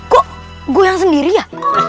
kok gue yang sendiri ya